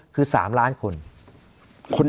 คือ๓ล้านคน